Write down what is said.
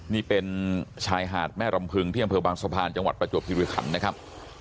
นี่เป็นชายหาดแม่รำพึงที่อำเภอบางสะพานจังหวัดประจวบคิริขันนะครับ